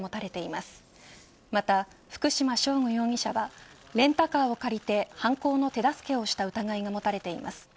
また福島聖悟容疑者はレンタカーを借りた犯行の手助けをした疑いが持たれています。